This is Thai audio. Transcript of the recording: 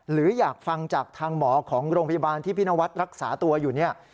หรืออยากฟังจากทางหมอของโรงพยาบาลที่พี่นวัดรักษาตัวอยู่เนี่ย